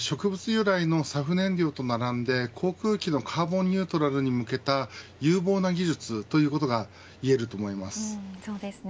由来のＳＡＦ燃料と並んで航空機のカーボンニュートラルに向けた有望な技術ということが言えると思います。